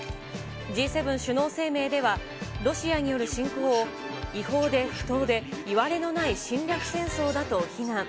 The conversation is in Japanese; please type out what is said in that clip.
Ｇ７首脳声明では、ロシアによる侵攻を、違法で不当でいわれのない侵略戦争だと非難。